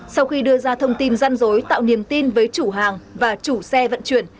sau khi đưa ra thông tin răn rối tạo niềm tin với chủ hàng và chủ xe vận chuyển